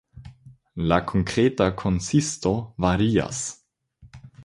La konkreta konsisto varias.